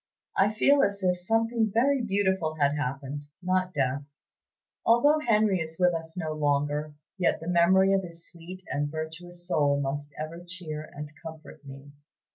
I feel as if something very beautiful had happened, not death. Although Henry is with us no longer, yet the memory of his sweet and virtuous soul must ever cheer and comfort me.